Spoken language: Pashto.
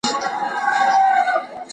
پر دغه نرمغالي باندي کار کول ډېر وخت غواړي.